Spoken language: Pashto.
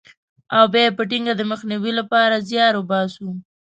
او بیا یې په ټینګه د مخنیوي لپاره زیار وباسو.